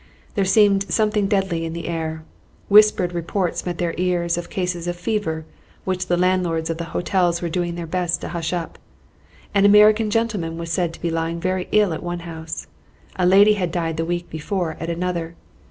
There seemed something deadly in the air. Whispered reports met their ears of cases of fever, which the landlords of the hotels were doing their best to hush up. An American gentleman was said to be lying very ill at one house. A lady had died the week before at another.